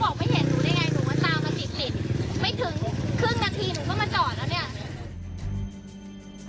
ไม่ถึงครึ่งนาทีหนูก็มาจอดแล้วเนี่ย